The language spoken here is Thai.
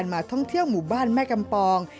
มาท่องเที่ยวหมู่บ้านแม่กำปอง